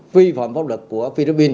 vi phạm pháp luật của philippines